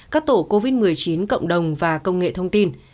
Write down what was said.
các tổ covid một mươi chín cộng đồng và công nghệ thông tin